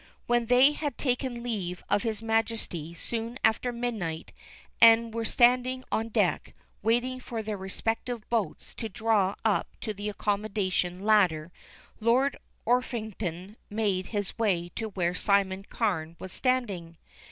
When they had taken leave of his Majesty soon after midnight, and were standing on deck, waiting for their respective boats to draw up to the accommodation ladder, Lord Orpington made his way to where Simon Carne was standing.